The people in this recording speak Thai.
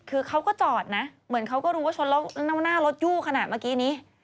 คือเขาก็จอดนะเหมือนเขาก็รู้ว่าชนแล้วหน้ารถยู่ขนาดเมื่อกี้นี้